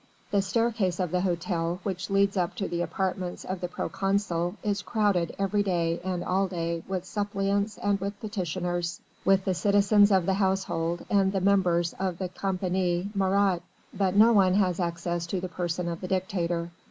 The staircase of the hotel which leads up to the apartments of the proconsul is crowded every day and all day with suppliants and with petitioners, with the citizens of the household and the members of the Compagnie Marat. But no one has access to the person of the dictator.